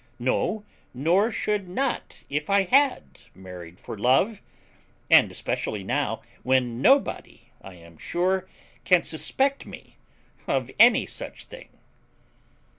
No, nor should not, if I had married for love. And especially now, when nobody, I am sure, can suspect me of any such thing.